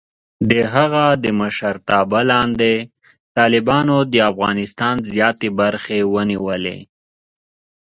د هغه د مشرتابه لاندې، طالبانو د افغانستان زیاتې برخې ونیولې.